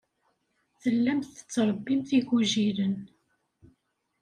Tellamt tettṛebbimt igujilen.